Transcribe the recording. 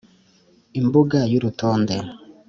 imbuga y’urutonde,